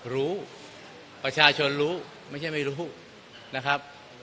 รู้ประชาชนรู้ไม่ใช่ไม่รู้นะครับ